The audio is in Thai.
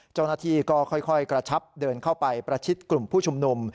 เจ้าหน้าที่ก็ค่อยกระชับเดินเข้าไปประชิดกลุ่มผู้ชุมนุม